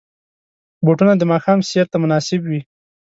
بوټونه د ماښام سیر ته مناسب وي.